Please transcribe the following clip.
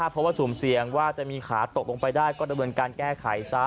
พอสูงเศียงว่าจะมีขาตกลงไปได้ก็ระเบิดการแก้ไขซ้า